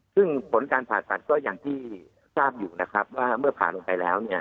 ซึ่งผลการผ่าตัดก็อย่างที่ทราบอยู่นะครับว่าเมื่อผ่าลงไปแล้วเนี่ย